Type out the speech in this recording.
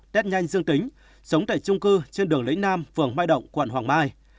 test nhanh dương tính sống tại trung cư trên đường lĩnh nam phường mai động quận hoàng mai